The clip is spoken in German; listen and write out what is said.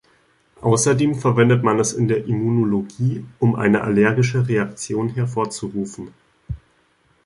Außerdem verwendet man es in der Immunologie, um eine allergische Reaktion hervorzurufen.